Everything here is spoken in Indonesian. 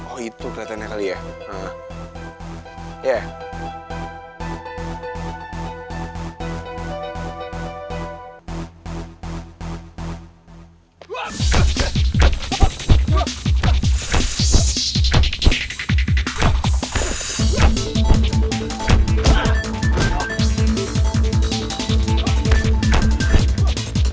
oh itu keliatannya kali ya